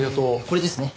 これですね。